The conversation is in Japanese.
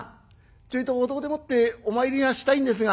ちょいとお堂でもってお参りがしたいんですが」。